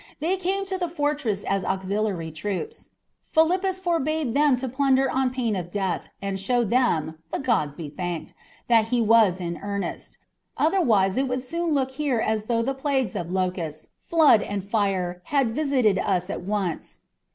"They came to the fortress as auxiliary troops. Philippus forbade them to plunder on pain of death, and showed them the gods be thanked! that he was in earnest. Otherwise it would soon look here as though the plagues of locusts, flood, and fire had visited us at once.